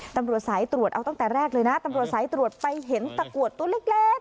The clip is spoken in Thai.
ตำรวจสายตรวจเอาตั้งแต่แรกเลยนะตำรวจสายตรวจไปเห็นตะกรวดตัวเล็ก